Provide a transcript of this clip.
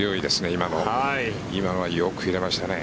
今のはよく入れましたね。